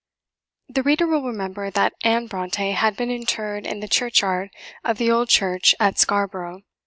The reader will remember that Anne Brontë had been interred in the churchyard of the Old Church at Scarborough.